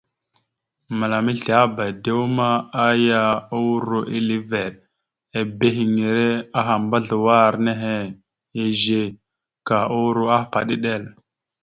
Mǝlam esleaba, dew ma, aya uro ille veɗ ebehiŋire aha mbazləwar nehe izze, ka uro ahpaɗ iɗel.